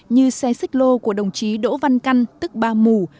như xe xích lô của đồng chí đỗ văn căn tức ba mù